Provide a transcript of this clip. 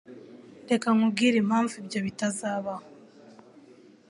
Reka nkubwire impamvu ibyo bitazabaho.